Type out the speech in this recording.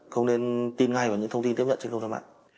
không nên tin ngay vào những thông tin tiếp nhận trên công thông mạng